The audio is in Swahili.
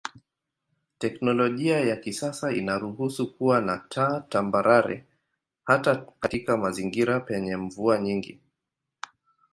Teknolojia ya kisasa inaruhusu kuwa na taa tambarare hata katika mazingira penye mvua nyingi.